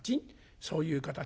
そういう形？